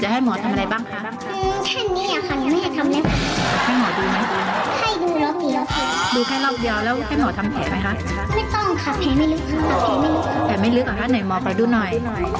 หมอทำแผลไหมคะแผลไม่ลึกอะหน่อยหมอไปดูหน่อย